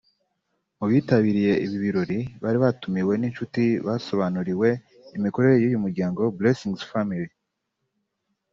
Mu bitabiriye ibi birori bari batumiwe n’inshuti basobanuriwe imikorere y’uyu muryango Blessings Family